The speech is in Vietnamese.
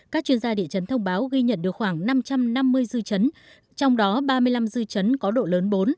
các chuyên gia địa chấn thông báo ghi nhận được khoảng năm trăm năm mươi dư chấn trong đó ba mươi năm dư chấn có độ lớn bốn